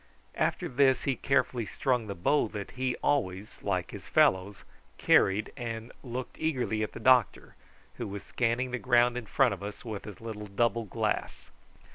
After this he carefully strung the bow that he always, like his fellows, carried, and looked eagerly at the doctor, who was scanning the ground in front of us with his little double glass.